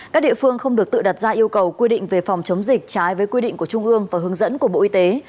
các địa phương không được tự đặt ra yêu cầu quy định về phòng chống dịch trái với quy định của trung ương và hướng dẫn của bộ y tế